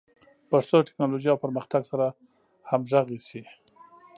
پښتو د ټکنالوژۍ او پرمختګ سره همغږي شي.